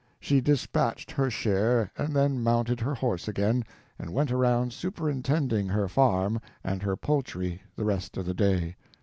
She dispatched her share and then mounted her horse again and went around superintending her farm and her poultry the rest of the day.